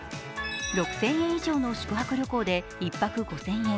６０００円以上の宿泊旅行で１泊５０００円。